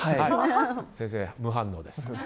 先生、無反応です。